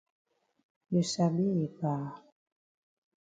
You sabi yi pa.